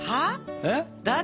えっ？